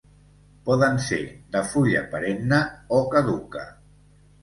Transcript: Poden ser de fulla perenne o caduca.